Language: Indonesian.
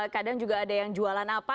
kadang juga ada yang jualan apa